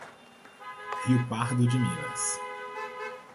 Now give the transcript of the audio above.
Rio Pardo de Minas